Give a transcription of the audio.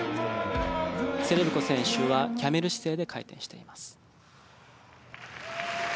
セレブコ選手はキャメル姿勢で回転しています。